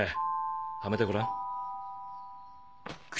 はめてごらん。